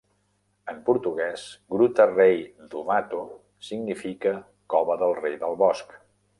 En portuguès, Gruta Rei do Mato significa "cova del rei del bosc".